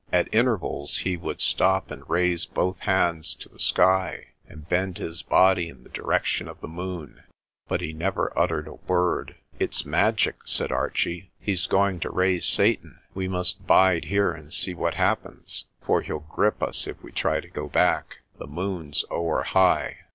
At intervals he would stop and raise both hands to the sky, and bend his body in the direction of the moon. But he never uttered a word. "It's magic," said Archie. "He's going to raise Satan. We must bide here and see what happens, for he'll grip us if we try to go back. The moon's ower high."